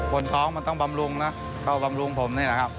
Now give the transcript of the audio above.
คนท้องมันต้องบำรุงนะเข้าบำรุงผมนี่แหละครับ